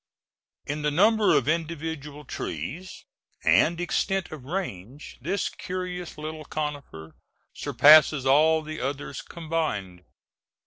In the number of individual trees and extent of range this curious little conifer surpasses all the others combined.